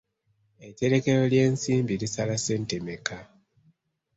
Etterekero ly'ensimbi lisala ssente mmeka?